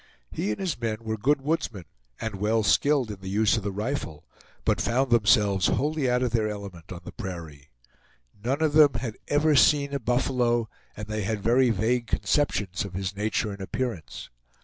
He and his men were good woodsmen, and well skilled in the use of the rifle, but found themselves wholly out of their element on the prairie. None of them had ever seen a buffalo and they had very vague conceptions of his nature and appearance.